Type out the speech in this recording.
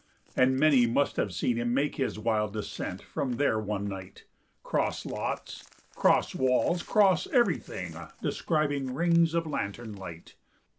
And many must have seen him make His wild descent from there one night, 'Cross lots, 'cross walls, 'cross everything, Describing rings of lantern light.